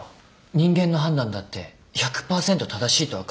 人間の判断だって１００％正しいとは限らない。